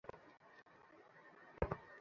ঐ সম্প্রদায়গুলি তাহাদের উদ্দেশ্য সাধন করিয়াছে।